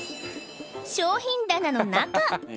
商品棚の中！